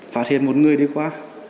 phát hiện một người đi qua